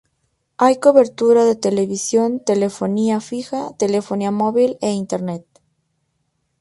Hay cobertura de televisión, telefonía fija, telefonía móvil e internet.